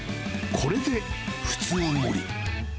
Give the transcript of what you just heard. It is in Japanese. これで普通盛り。